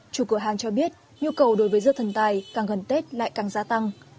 chủ cửa hàng cho biết nhu cầu đối với dưa thần tài càng gần tết lại càng gia tăng